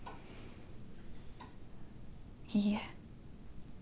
いいえ。